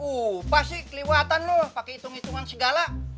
upah sih keliwatan lo pakai hitung hitungan segala